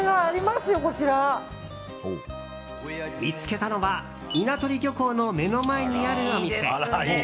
見つけたのは稲取漁港の目の前にあるお店。